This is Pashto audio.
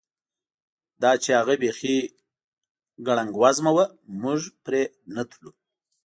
دا چې هغه بیخي ګړنګ وزمه وه، موږ پرې نه تلو.